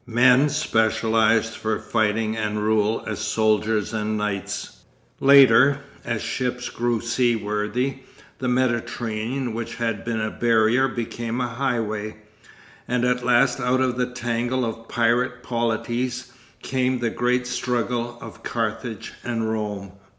Men specialised for fighting and rule as soldiers and knights. Later, as ships grew seaworthy, the Mediterranean which had been a barrier became a highway, and at last out of a tangle of pirate polities came the great struggle of Carthage and Rome.